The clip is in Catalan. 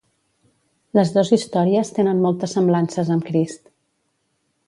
Les dos històries tenen moltes semblances amb Crist.